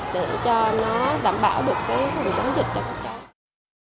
để cho nó đảm bảo được cái phòng chống dịch cho các cháu